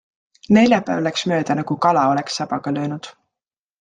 Neljapäev läks mööda nagu kala oleks sabaga löönud.